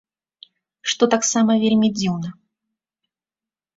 Што таксама вельмі дзіўна.